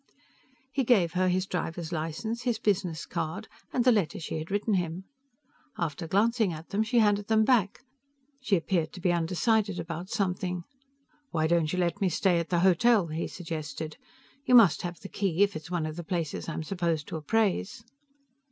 He gave her his driver's license, his business card and the letter she had written him. After glancing at them, she handed them back. She appeared to be undecided about something. "Why don't you let me stay at the hotel?" he suggested. "You must have the key if it's one of the places I'm supposed to appraise."